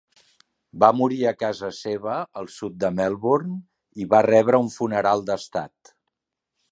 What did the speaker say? Va morir a casa seva, al sud de Melbourne, i va rebre un funeral d'estat.